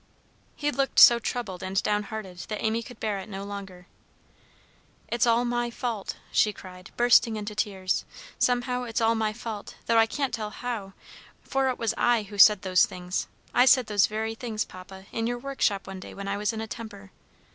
He looked so troubled and down hearted that Amy could bear it no longer. "It's all my fault!" she cried, bursting into tears. "Somehow it's all my fault, though I can't tell how, for it was I who said those things. I said those very things, Papa, in your workshop one day when I was in a temper.